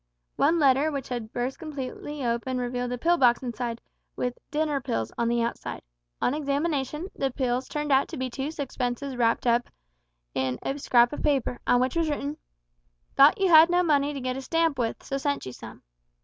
One letter which had burst completely open revealed a pill box inside, with "Dinner Pills" on the outside. On examination, the pills turned out to be two sixpences wrapped up in a scrap of paper, on which was written "Thought you had no money to get a stamp with, so sent you some."